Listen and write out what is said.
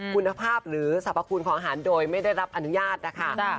คุณภาพหรือสรรพคุณของอาหารโดยไม่ได้รับอนุญาตนะคะ